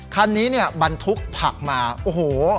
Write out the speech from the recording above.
คันนี้เนี่ยบรรทุกผักมาโอ้โห